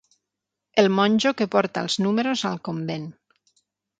El monjo que porta els números al convent.